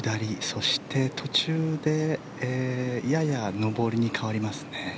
そして途中でやや上りに変わりますね。